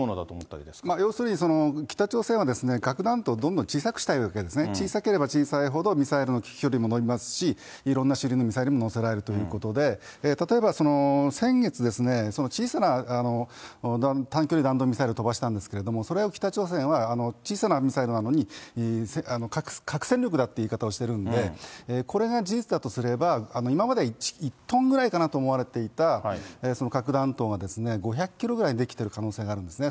これはですね、北朝鮮は核弾頭をどんどん小さくしたいわけですね、小さければ小さいほど、ミサイルの飛距離も延びますし、いろんな種類のミサイルも載せられるということで、例えば先月ですね、小さな短距離弾道ミサイルを飛ばしたんですけど、それを北朝鮮は小さなミサイルなのに、核戦力だっていう言い方をしてるんで、これが事実だとすれば、今まで一本ぐらいかなと思っていた、核弾頭が５００キロぐらいにできてる可能性があるんですね。